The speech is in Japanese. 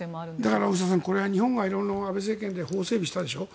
だから、大下さんこれは日本が色々安倍政権で法整備をしたでしょう。